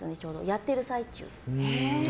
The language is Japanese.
やってる最中。